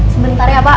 sebentar ya pak